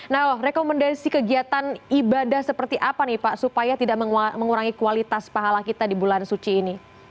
nah rekomendasi kegiatan ibadah seperti apa nih pak supaya tidak mengurangi kualitas pahala kita di bulan suci ini